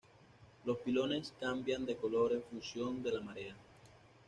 Los pilones cambian de color en función de la marea.